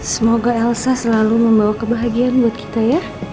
semoga elsa selalu membawa kebahagiaan buat kita ya